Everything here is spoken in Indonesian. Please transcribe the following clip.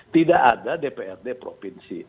tidak ada dprd provinsi